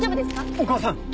お母さん。